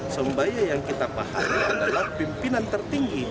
sombaya yang kita paham adalah pimpinan tertinggi